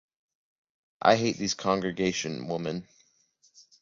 I hate these Congregation-women.